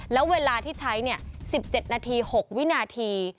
แล้วเวลาที่ใช้๑๗นาที๖วินาที